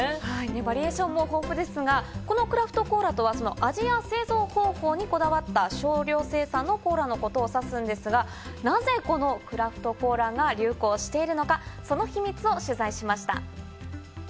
バリエーションも豊富ですがこのクラフトコーラというのは味や製造方法にこだわった少量生産のコーラのことを指すんですが、なぜこのクラフトコーラが流行しているのか、その秘密を取材しました。